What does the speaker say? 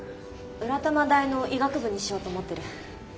浦玉大の医学部にしようと思ってる。